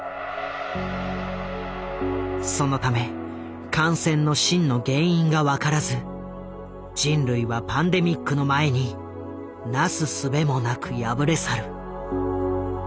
そのため感染の真の原因が分からず人類はパンデミックの前になすすべもなく敗れ去る。